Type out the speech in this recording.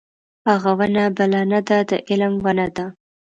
هغه ونه بله نه ده د علم ونه ده.